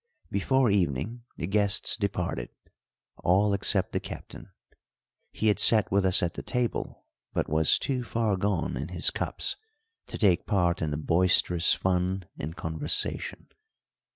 Before evening the guests departed, all except the Captain. He had sat with us at the table, but was too far gone in his cups to take part in the boisterous fun and conversation.